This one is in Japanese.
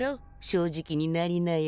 正直になりなよ。